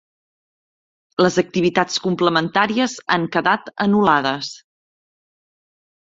Les activitats complementàries han quedat anul·lades.